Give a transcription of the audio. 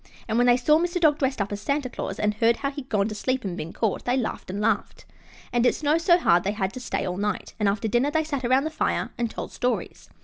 And when they saw Mr. Dog dressed up as Santa Claus and heard how he'd gone to sleep and been caught, they laughed and laughed. And it snowed so hard that they had to stay all night, and after dinner they sat around the fire and told stories.